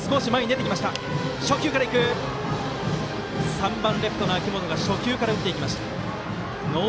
３番、レフトの秋元が初球から打っていきました。